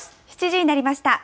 ７時になりました。